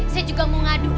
saya juga mau ngadu